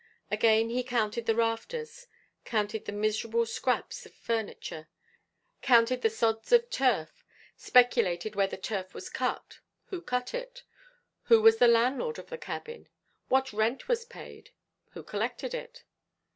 Again he counted the rafters, counted the miserable scraps of furniture, counted the sods of turf, speculated where the turf was cut who cut it? who was the landlord of the cabin? what rent was paid? who collected it?